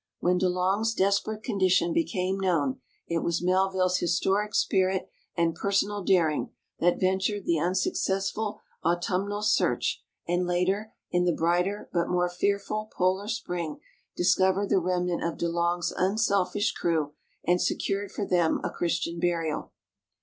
When De Long's des perate condition became known, it was Melville's heroic spirit and personal daring that ventured the unsuccessful autunnial searcli and later, in the brighter but more fearful polar spring, discovered the remnant of De Long's unselfish crew and secured for them a Christian burial.